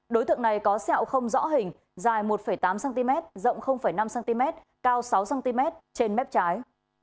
đối tượng này có sẹo không rõ hình dài một tám cm rộng năm cm cao sáu cm trên mép trái